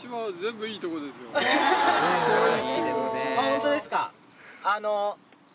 ホントですかあの。